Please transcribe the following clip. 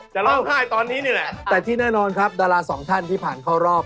ร้องไห้ตอนนี้นี่แหละแต่ที่แน่นอนครับดาราสองท่านที่ผ่านเข้ารอบ